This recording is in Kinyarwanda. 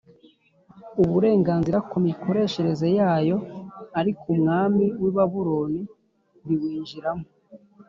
uburenganzira ku mikoreshereze yayo arikoumwami w i Babuloni biwinjiramo